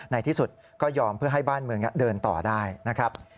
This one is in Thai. ในที่สุดก็ยอมเพื่อให้บ้านเมืองเดินต่อได้นะครับ